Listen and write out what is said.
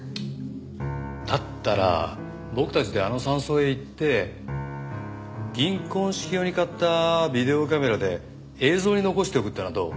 だったら僕たちであの山荘へ行って銀婚式用に買ったビデオカメラで映像に残しておくってのはどう？